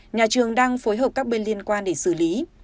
nhà trường đang phối hợp các bên liên quan để xử lý